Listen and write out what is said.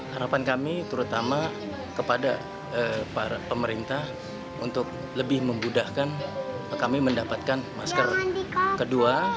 harapan kami terutama kepada pemerintah untuk lebih memudahkan kami mendapatkan masker kedua